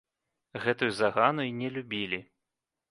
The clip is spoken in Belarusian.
Гэтую загану і не любілі.